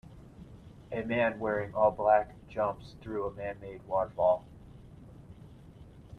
A man wearing all black jumps through a manmade waterfall.